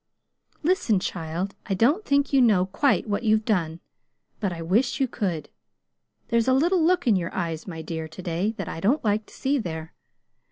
"Listen, child, I don't think you know quite what you've done. But I wish you could! There's a little look in your eyes, my dear, to day, that I don't like to see there.